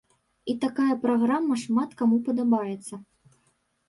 І такая праграма шмат каму падабаецца.